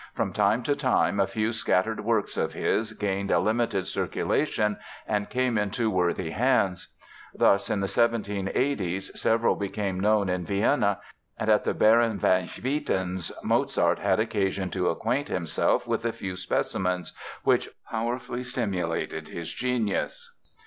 From time to time a few scattered works of his gained a limited circulation and came into worthy hands. Thus, in the seventeen eighties several became known in Vienna, and at the Baron Van Swieten's Mozart had occasion to acquaint himself with a few specimens, which powerfully stimulated his genius.